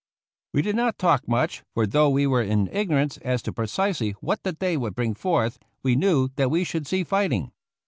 We did not talk much, for though we were in ignorance as to precisely what the day would bring forth, we knew that we should see fight ing.